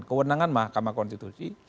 kewenangan mahkamah konstitusi